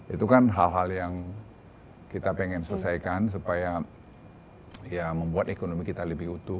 itu kan hal hal yang kita pengen selesaikan supaya ya membuat ekonomi kita lebih utuh